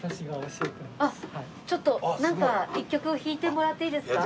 あっちょっとなんか１曲弾いてもらっていいですか？